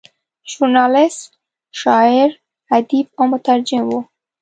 ژورنالیسټ، شاعر، ادیب او مترجم و.